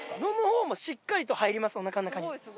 おなかの中に。